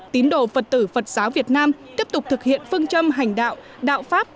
tín đồ phật tử phật giáo việt nam tiếp tục thực hiện phương châm hành đạo đạo pháp